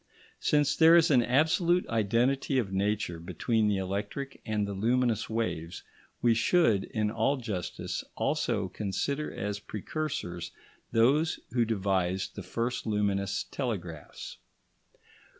Since there is an absolute identity of nature between the electric and the luminous waves, we should, in all justice, also consider as precursors those who devised the first luminous telegraphs.